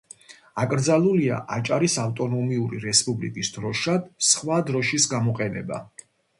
აკრძალულია აჭარის ავტონომიური რესპუბლიკის დროშად სხვა დროშის გამოყენება.